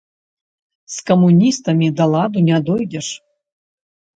З камуністамі да ладу не дойдзеш.